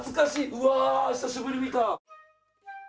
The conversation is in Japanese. うわ久しぶりに見た。